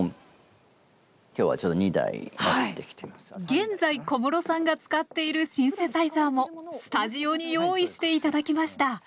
現在小室さんが使っているシンセサイザーもスタジオに用意して頂きました